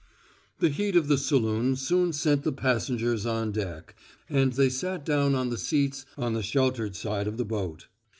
The heat of the saloon soon sent the passengers on deck, and they sat down on the seats on the sheltered side of the boat.